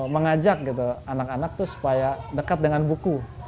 mengajak anak anak supaya dekat dengan buku